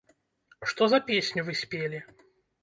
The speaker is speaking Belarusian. Што за песню вы спелі?